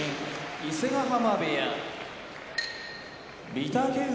伊勢ヶ濱部屋御嶽海